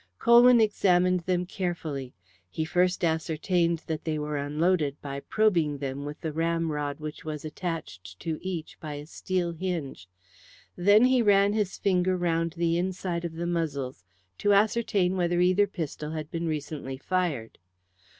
Colwyn examined them carefully. He first ascertained that they were unloaded by probing them with the ramrod which was attached to each by a steel hinge. Then he ran his finger round the inside of the muzzles to ascertain whether either pistol had been recently fired.